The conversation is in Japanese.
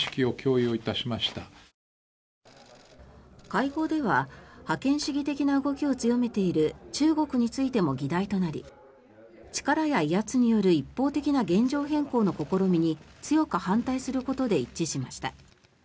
会合では覇権主義的な動きを強めている中国についても議題となり力や威圧による一方的な現状変更の試みに強く反対することで一致しました。